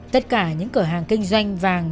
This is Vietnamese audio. tất cả những cửa hàng kinh doanh vàng